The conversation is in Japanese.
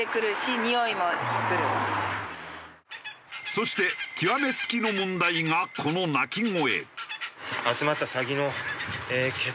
そして極め付きの問題がこの鳴き声。